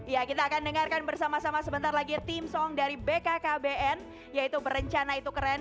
ya kita akan dengarkan bersama sama sebentar lagi team song dari bkkbn yaitu berencana itu keren yang akan dianjurkan